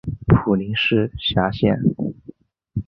普宁市辖乡。